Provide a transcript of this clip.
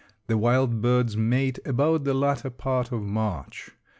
The wild birds mate about the latter part of March.